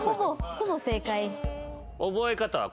ほぼ正解。